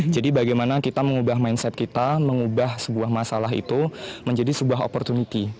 jadi bagaimana kita mengubah mindset kita mengubah sebuah masalah itu menjadi sebuah opportunity